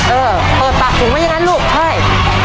เออเปิดปากถุงไว้อย่างนั้นลูกใช่